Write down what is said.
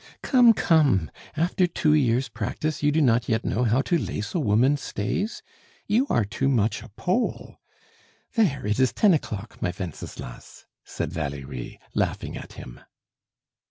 "Come, come; after two years' practice, you do not yet know how to lace a woman's stays! You are too much a Pole! There, it is ten o'clock, my Wenceslas!" said Valerie, laughing at him.